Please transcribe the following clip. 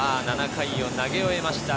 ７回を投げ終えました。